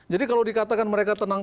jadi kalau dikatakan mereka tenang